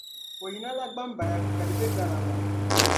O yina la Gbambaya ka di bɛ Ghana ŋɔ.